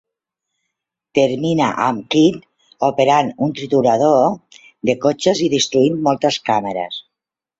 Termina amb Quint operant un triturador de cotxes i destruint moltes càmeres.